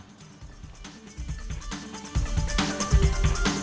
bagaimana cara mengelakkan perubahan yang berlaku